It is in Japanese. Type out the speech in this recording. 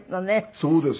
そうです。